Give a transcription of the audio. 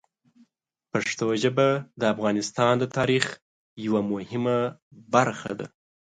پښتو ژبه د افغانستان د تاریخ یوه مهمه برخه ده.